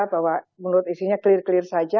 bahwa menurut isinya clear clear saja